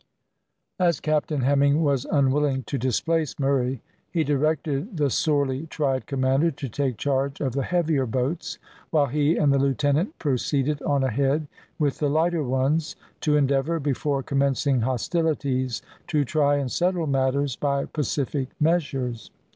As Captain Hemming was unwilling to displace Murray, he directed the sorely tried commander to take charge of the heavier boats, while he and the lieutenant proceeded on ahead with the lighter ones, to endeavour, before commencing hostilities, to try and settle matters by pacific measures.